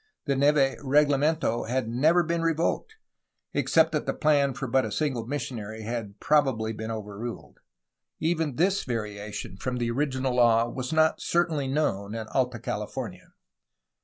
The Neve reglamento had never been revoked, except that the plan for but a single missionary had probably been overruled. Even this variation from the original law was not certainly known in Alta California.